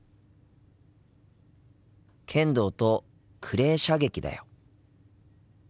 剣道とクレー射撃だよ。